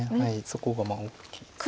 そこが大きいです。